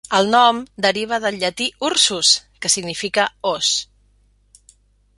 El nom deriva del llatí "ursus", que significa "os".